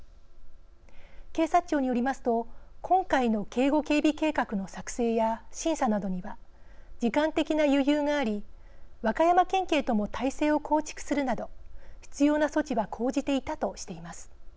警察庁によりますと今回の警護・警備計画の作成や審査などには時間的な余裕があり和歌山県警とも態勢を構築するなど必要な措置は講じていたとしています。